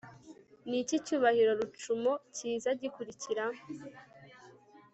Niki cyubahiro Lucumo kiza gikurikira